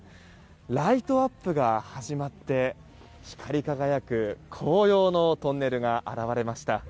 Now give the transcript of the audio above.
ライトアップが始まって光り輝く紅葉のトンネルが現れました。